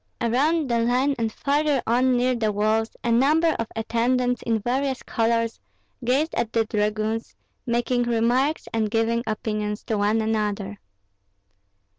Around the line and farther on near the walls, a number of attendants in various colors gazed at the dragoons, making remarks and giving opinions to one another.